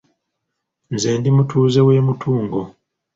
Nze ndi mutuuze w’e Mutungo.